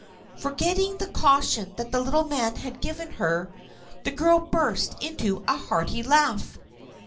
Forgetting the caution that the little man had given her, the girl burst into a hearty laugh.